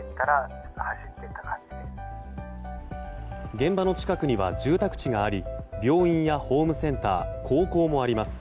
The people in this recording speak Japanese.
現場の近くには住宅地があり病院やホームセンター高校もあります。